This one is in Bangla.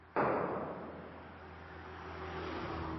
মরণের অপরাধ কী?